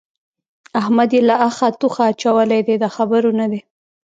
احمد يې له اخه توخه اچولی دی؛ د خبرو نه دی.